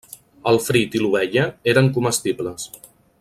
El frit i l'ovella eren comestibles.